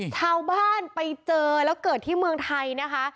ชาวบ้านไปเจอแล้วเกิดที่เมืองไทยนะคะ